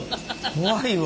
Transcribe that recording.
怖いわ。